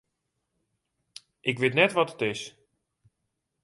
Ik wit net wat it is.